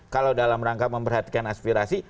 kalau dalam rangka memperhatikan aspirasi